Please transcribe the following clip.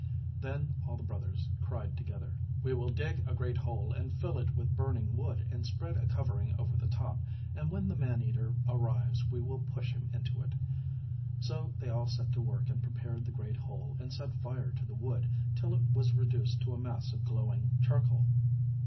Then all the brothers cried together, 'We will dig a great hole, and fill it with burning wood, and spread a covering over the top; and when the man eater arrives we will push him into it.' So they all set to work and prepared the great hole, and set fire to the wood, till it was reduced to a mass of glowing charcoal.